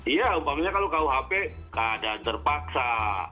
iya kalau kalau hp keadaan terpaksa